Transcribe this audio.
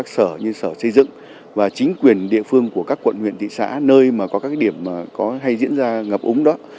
sở như sở xây dựng và chính quyền địa phương của các quận huyện thị xã nơi mà có các điểm có hay diễn ra ngập úng đó